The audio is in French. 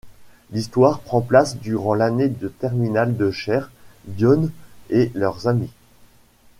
L'histoire prend place durant l'année de terminale de Cher, Dionne et leurs amis.